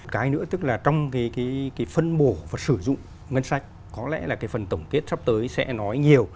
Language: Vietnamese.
cái nữa tức là trong cái phân bổ và sử dụng ngân sách có lẽ là cái phần tổng kết sắp tới sẽ nói nhiều